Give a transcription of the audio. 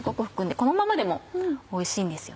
このままでもおいしいんですよ。